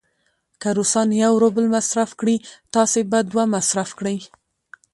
که روسان یو روبل مصرف کړي، تاسې به دوه مصرف کړئ.